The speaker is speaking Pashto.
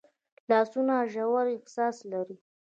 لاسونه ژور احساس لري